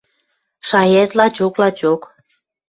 – Шаяэт лачок, лачок...